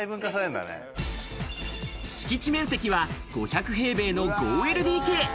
敷地面積は５００平米の５ＬＤＫ。